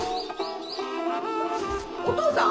お義父さん？